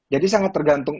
jadi sangat tergantung